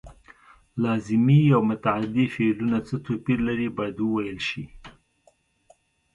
لازمي او متعدي فعلونه څه توپیر لري باید وویل شي.